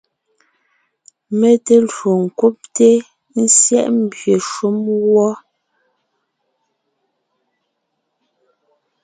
Mé te lwo ńkúbte/syɛ́ʼ membyè shúm wɔ́.